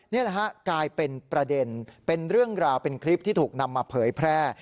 นี่แหละฮะกลายเป็นประเด็นเป็นเรื่องราวเป็นคลิปที่ถูกนำมาเผยแพร่